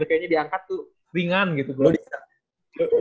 kayaknya diangkat tuh ringan gitu gue